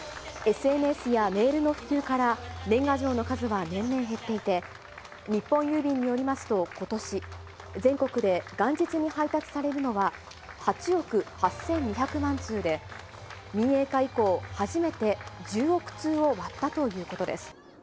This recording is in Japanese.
ＳＮＳやメールの普及から、年賀状の数は年々減っていて、日本郵便によりますと、ことし、全国で元日に配達されるのは８億８２００万通で、民営化以降、初めて１０億通を割ったということです。